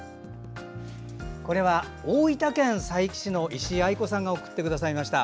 これは大分県佐伯市の石井藍子さんが送ってくださいました。